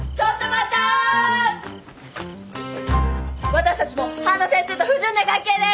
私たちも半田先生と不純な関係です！